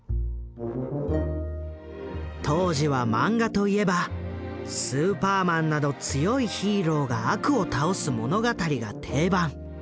当時はマンガといえば「スーパーマン」など強いヒーローが悪を倒す物語が定番。